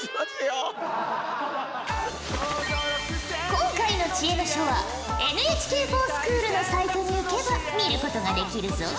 今回の知恵の書はＮＨＫｆｏｒＳｃｈｏｏｌのサイトに行けば見ることができるぞ。